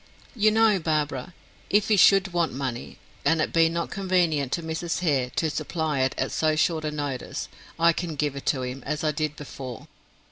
"You know, Barbara, if he should want money, and it be not convenient to Mrs. Hare to supply it at so short a notice, I can give it to him, as I did before."